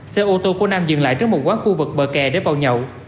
xe ô tô của nam dừng lại trước một quán khu vực bờ kè để vào nhậu